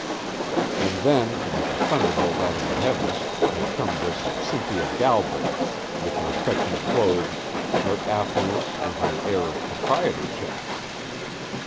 And then, like a thunderbolt out of the heavens, had come this Cynthia Galbraith with her fetching clothes, her affluence and her air of proprietorship!